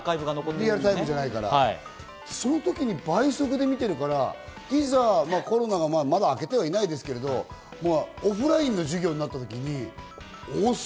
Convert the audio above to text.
リアルタイムじゃないから、その時に倍速で見ているから、いざコロナがまだ明けてはいないですけど、オフラインの授業になった時に遅っ！